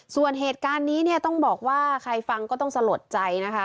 ส่วนเหตุการณ์นี้เนี่ยต้องบอกว่าใครฟังก็ต้องสลดใจนะคะ